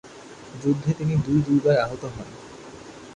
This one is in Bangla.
যুদ্ধে তিনি দুই দুইবার আহত হন।